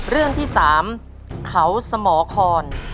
เรื่องที่๓เขาสมคร